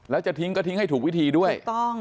แล้วจะทิ้งก็ทิ้งให้ถูกวิธีด้วย